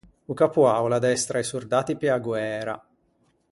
O capoâ o l’addestra i sordatti pe-a guæra.